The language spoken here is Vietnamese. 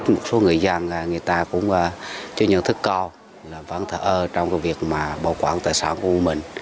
một số người dân người ta cũng chưa nhận thức co vẫn thở ơ trong việc bảo quản tài sản của mình